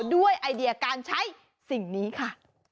ไอเดียการใช้สิ่งนี้ค่ะ